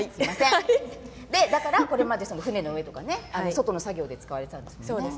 だから、これまで船の上とか外の作業で使われていたんですね。